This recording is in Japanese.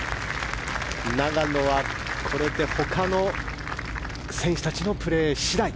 永野はこれで他の選手たちのプレー次第。